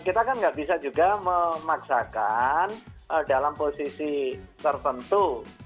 kita kan nggak bisa juga memaksakan dalam posisi tertentu